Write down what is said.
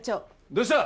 どうした？